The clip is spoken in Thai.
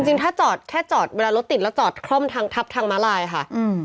จริงถ้าจอดเวลารถติดแล้วจอดทับทางมาลายค่ะ